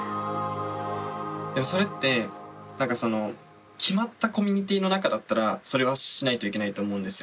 でもそれって決まったコミュニティの中だったらそれはしないといけないと思うんですよ。